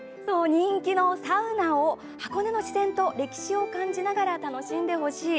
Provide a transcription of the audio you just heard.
人気のサウナを、箱根の自然と歴史を感じながら楽しんでほしい。